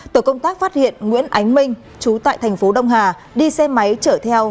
tổ công tác phát hiện nguyễn ánh minh chú tại thành phố đông hà đi xe máy chở theo